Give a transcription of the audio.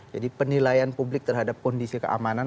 jadi penilaian publik terhadap kondisi keamanan